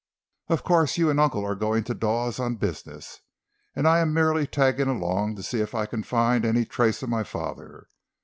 "Of course, you and uncle are going to Dawes on business, and I am merely tagging along to see if I can find any trace of my father.